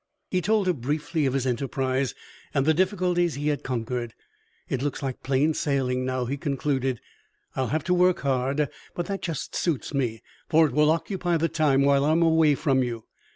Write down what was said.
He told her briefly of his enterprise and the difficulties he had conquered. "It looks like plain sailing now," he concluded. "I will have to work hard, but that just suits me, for it will occupy the time while I am away from you.